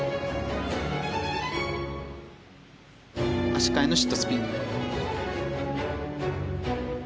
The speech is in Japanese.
足換えのシットスピン。